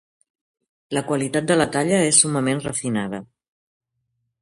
La qualitat de la talla és summament refinada.